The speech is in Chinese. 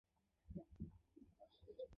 后被贬为蒲州同知。